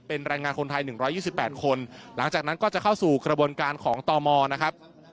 เป็นแรงงานคนไทย๑๒๘คนหลังจากนั้นก็จะเข้าสู่กระบวนการของตมนะครับ